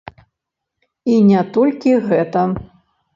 І не толькі гэта.